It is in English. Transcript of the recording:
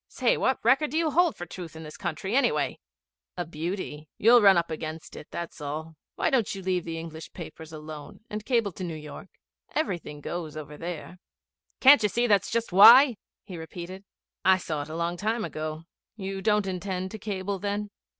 Say, what record do you hold for truth in this country, anyway?' 'A beauty. You ran up against it, that's all. Why don't you leave the English papers alone and cable to New York? Everything goes over there.' 'Can't you see that's just why?' he repeated. 'I saw it a long time ago. You don't intend to cable then?'